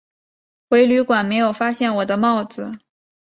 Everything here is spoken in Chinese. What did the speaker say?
回旅馆没有发现我的帽子